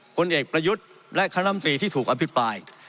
ผลเอกประยุทธ์และคณะมตรีที่ถูกอภิปราย